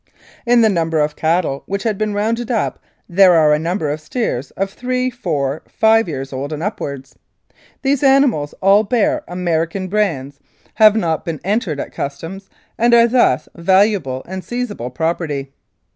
"In the number of cattle which have been rounded up there are a number of steers of three, four, five years old and upwards. "These animals all bear American brands, have not been entered at Customs, and are thus valuable and seizable property.